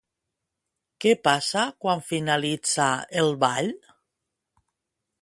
Què passa quan finalitza el ball?